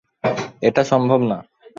এটা সম্ভব না।